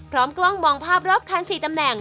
กล้องมองภาพรอบคัน๔ตำแหน่ง